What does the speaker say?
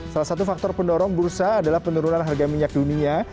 salah satu faktor pendorong bursa adalah penurunan harga minyak dunia